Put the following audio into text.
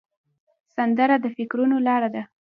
سندره د فکرونو لاره ده